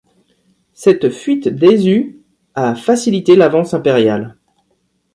Cette fuite d'Aizu a facilité l'avance impériale.